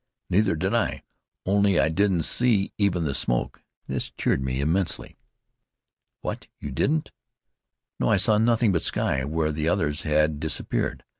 "Neither did I, only I didn't see even the smoke." This cheered me immensely. "What! you didn't " "No. I saw nothing but sky where the others had disappeared.